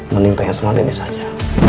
mending tanya sama dennis aja